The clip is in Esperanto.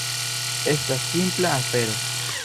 Estas simpla afero.